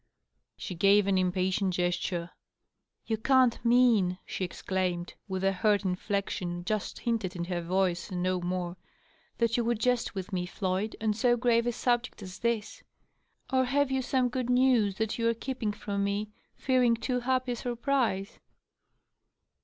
She gave an impatient gesture. " You can't mean," she exclaimed, with a hurt inflection just hinted in her voice and no more, " that you would jest with me, Floyd, on so grave a subject as this ? Or have you some good news that you are keeping from me, fearing too happy a surprise